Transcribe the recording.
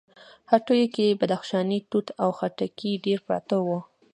هټيو کې بدخشانی توت او خټکي ډېر پراته وو.